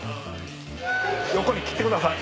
横に切ってください